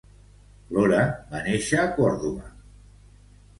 Flora va nàixer a Còrdova.